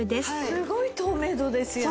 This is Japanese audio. すごい透明度ですよね！